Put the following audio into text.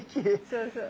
そうそう。